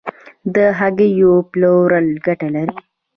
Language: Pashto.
د هګیو پلورل ګټه لري؟